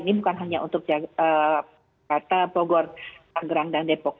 ini bukan hanya untuk kata pogor tangerang dan depok